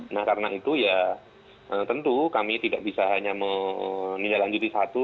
nah karena itu ya tentu kami tidak bisa hanya menindaklanjuti satu